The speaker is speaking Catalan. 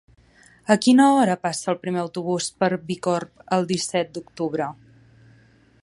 A quina hora passa el primer autobús per Bicorb el disset d'octubre?